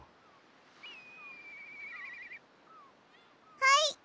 はい！